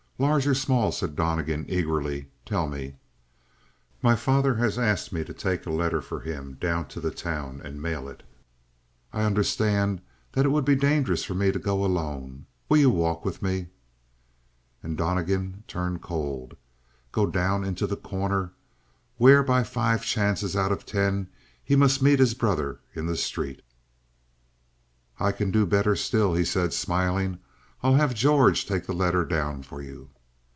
"Large or small," said Donnegan eagerly. "Tell me!" "My father has asked me to take a letter for him down to the town and mail it. I I understand that it would be dangerous for me to go alone. Will you walk with me?" And Donnegan turned cold. Go down into The Corner? Where by five chances out of ten he must meet his brother in the street? "I can do better still," he said, smiling. "I'll have George take the letter down for you."